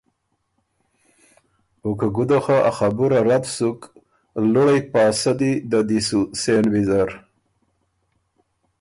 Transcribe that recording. او که ګُده خه ا خبُره رد سُک، لُوړئ پاسدی ده دی سُو سېن ویزر